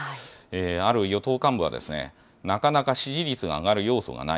ある与党幹部は、なかなか支持率が上がる要素がない。